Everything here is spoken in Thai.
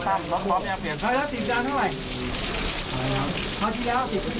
ตอนที่แล้วเจ็บที่แล้วเท่าไหร่